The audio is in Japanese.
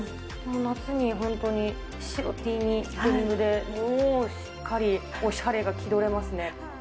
夏に本当に、白Ｔにデニムで、もうしっかりおしゃれが気どれますね。